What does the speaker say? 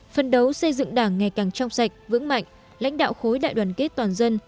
phân đấu xây dựng đảng ngày càng trong sạch vững mạnh lãnh đạo khối đại đoàn kết toàn dân